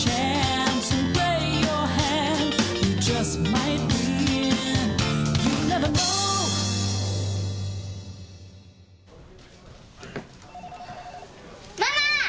ママ！